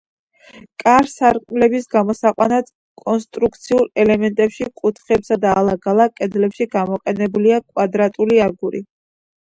კარ-სარკმლების გამოსაყვანად კონსტრუქციულ ელემენტებში, კუთხეებსა და ალაგ-ალაგ კედლებში გამოყენებულია კვადრატული აგური.